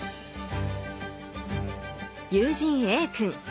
友人Ａ君。